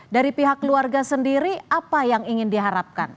dari pihak keluarga sendiri apa yang ingin diharapkan